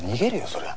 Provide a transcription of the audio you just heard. そりゃ。